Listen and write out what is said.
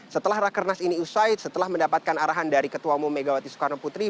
setelah rakernas ini usai setelah mendapatkan arahan dari ketua umum megawati soekarno putri